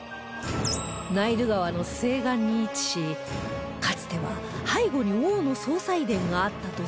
ナイル川の西岸に位置しかつては背後に王の葬祭殿があったとされ